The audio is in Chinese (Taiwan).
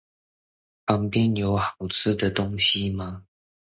旁邊有好吃的東西嗎？